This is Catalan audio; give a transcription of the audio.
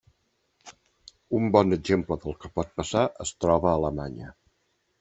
Un bon exemple del que pot passar es troba a Alemanya.